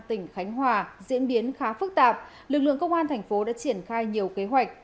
tỉnh khánh hòa diễn biến khá phức tạp lực lượng công an tp đã triển khai nhiều kế hoạch